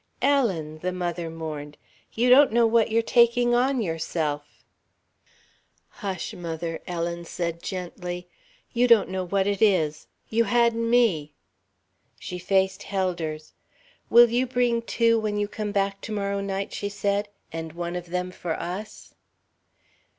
"Ellen!" the mother mourned, "you don't know what you're taking on yourself " "Hush, mother," Ellen said gently; "you don't know what it is. You had me." She faced Helders. "Will you bring two when you come back to morrow night?" she said; "and one of them for us?"